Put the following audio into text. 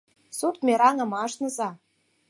СУРТ МЕРАҤЫМ АШНЫЗА